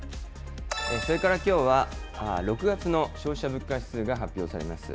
それからきょうは、６月の消費者物価指数が発表されます。